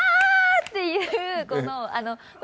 っていう。